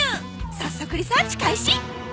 早速リサーチ開始！